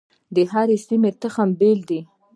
د هرې سیمې تخم بیل دی.